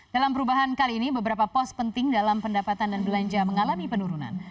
dalam perubahan kali ini beberapa pos penting dalam pendapatan dan belanja mengalami penurunan